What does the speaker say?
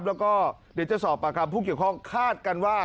แล้วก็เดี๋ยวจะสอบปากคำผู้เกี่ยวข้องคาดกันว่า